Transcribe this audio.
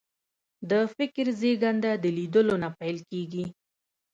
د فکر زېږنده د لیدلو نه پیل کېږي